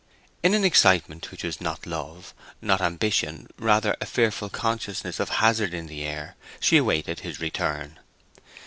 In an excitement which was not love, not ambition, rather a fearful consciousness of hazard in the air, she awaited his return.